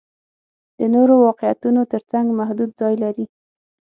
د نورو واقعیتونو تر څنګ محدود ځای لري.